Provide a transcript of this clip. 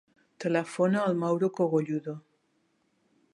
Telefona al Mauro Cogolludo.